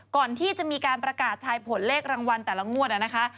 ก่อนที่จะมีการประกาศทายผลเลขรางวัลแต่ละงวดนะคะ